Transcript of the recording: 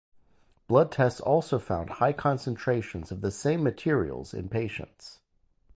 Blood tests also found high concentrations of the same materials in patients.